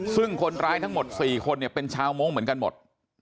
ซึ่งคนร้ายทั้งหมด๔คนเป็นชาวมงค์เหมือนกันหมด